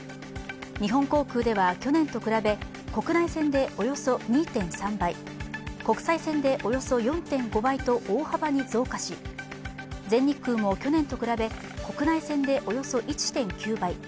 日本航空では去年と比べ、国内線でおよそ２．３倍、国際線でおよそ４．５倍と大幅に増加し、全日空も、去年と比べ国内線でおよそ１．９倍。